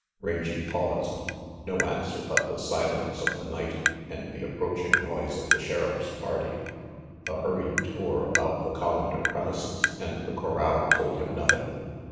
Rangy paused. No answer but the silence of the night and the approaching noise of the Sheriff's party. A hurried tour about the Collander premises and the corral told him nothing.